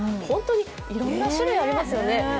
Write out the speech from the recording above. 本当にいろんな種類ありますよね。